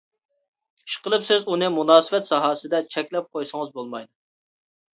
ئىشقىلىپ سىز ئۇنى مۇناسىۋەت ساھەسىدە چەكلەپ قويسىڭىز بولمايدۇ.